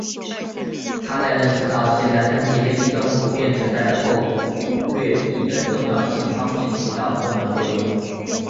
他在认识到现代喷气飞机中普遍存在的后掠翼的重要性方面起到重要作用。